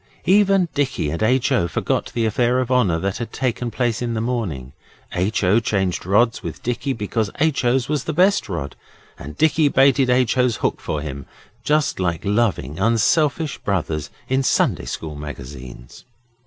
Even Dicky and H. O. forgot the affair of honour that had taken place in the morning. H. O. changed rods with Dicky because H. O.'s was the best rod, and Dicky baited H. O.'s hook for him, just like loving, unselfish brothers in Sunday School magazines.